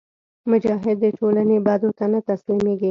مجاهد د ټولنې بدو ته نه تسلیمیږي.